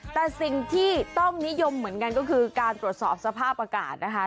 แต่สิ่งที่ต้องนิยมเหมือนกันก็คือการตรวจสอบสภาพอากาศนะคะ